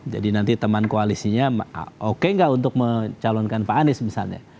jadi nanti teman koalisinya oke nggak untuk mencalonkan pak anies misalnya